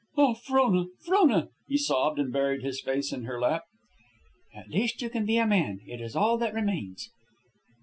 "Oh, Frona! Frona!" He sobbed and buried his face in her lap. "At least you can be a man. It is all that remains."